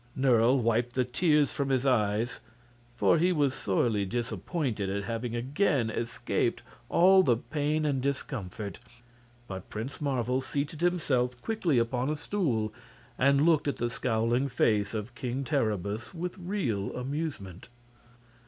Nerle wiped the tears from his eyes, for he was sorely disappointed at having again escaped all pain and discomfort; but Prince Marvel seated himself quietly upon a stool and looked at the scowling face of King Terribus with real amusement.